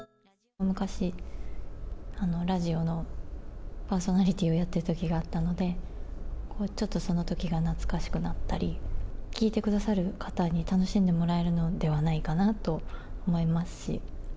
昔、ラジオのパーソナリティーをやっていたときがあったので、ちょっとそのときが懐かしくなったり、聞いてくださる方に楽しんでもらえるのではないかなと思いますし。